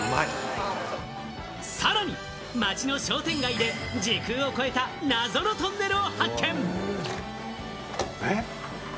さらに町の商店街で時空を超えた謎のトンネルを発見。